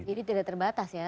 jadi tidak terbatas ya